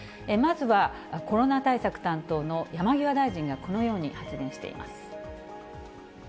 まずはコロナ対策担当の山際大臣がこのように発言しています。